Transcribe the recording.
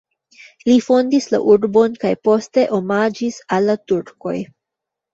Ili fondis la urbon kaj poste omaĝis al la turkoj.